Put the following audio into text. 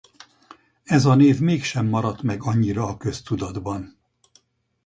Ez a név mégsem maradt meg annyira a köztudatban.